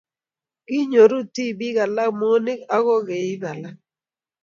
kinyoru tibik alak moonik aku keib alak